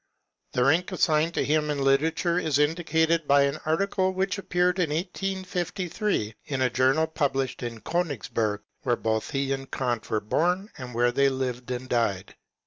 The rank assigned to him in literature is indicated by an article which appeared in 1853, in a journal published in Eonigsberg, where both he and Eant were bom and where they lived and died.